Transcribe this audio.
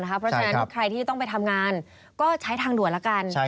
เพราะฉะนั้นใครที่ต้องไปทำงานก็ใช้ทางด่วนละกัน